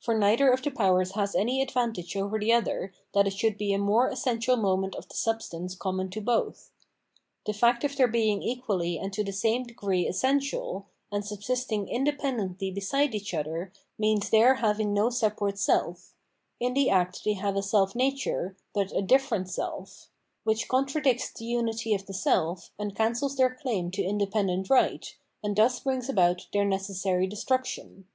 For neither of the powers has any advantage over the other that it should be a more essential moment of the substance common to both. The fact of their being equally and to the same degree essential, and subsisting independently beside each other means their having no separate self ; in the act they have a self nature, but a different self, — ^which contradicts the unity of the self and cancels their claim to independent right, and thus brings about their necessary destruction.